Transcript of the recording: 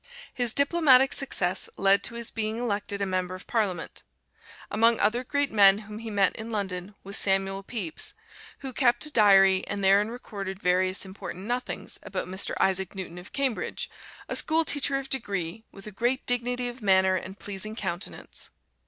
His diplomatic success led to his being elected a member of Parliament. Among other great men whom he met in London was Samuel Pepys, who kept a diary and therein recorded various important nothings about "Mr. Isaac Newton of Cambridge a schoolteacher of degree, with a great dignity of manner and pleasing Countenance."